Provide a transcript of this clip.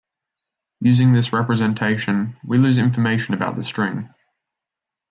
Using this representation, we lose information about the string.